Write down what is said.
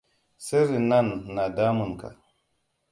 Sirrin nan na damun ka.